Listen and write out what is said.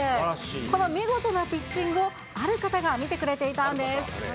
この見事なピッチングを、ある方が見てくれていたんです。